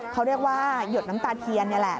เขาเรียกว่าหยดน้ำตาเทียนนี่แหละ